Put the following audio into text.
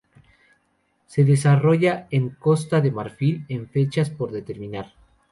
Se desarrollará en Costa de Marfil en fechas por determinar.